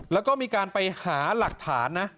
แล้วก็มีการไปหาหลักฐานนะ